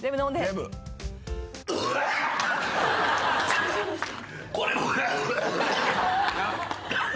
大丈夫ですか？